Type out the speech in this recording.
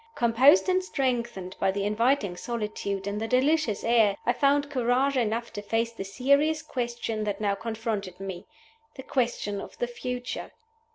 Composed and strengthened by the inviting solitude and the delicious air, I found courage enough to face the serious question that now confronted me the question of the future.